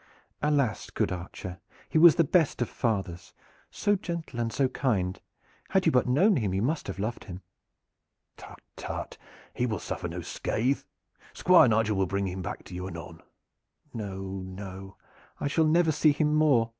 "Alas! good archer, he was the best of fathers, so gentle and so kind! Had you but known him, you must have loved him." "Tut, tut! he will suffer no scathe. Squire Nigel will bring him back to you anon." "No, no, I shall never see him more.